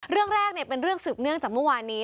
เรื่องแรกเป็นเรื่องสืบเนื่องจากเมื่อวานนี้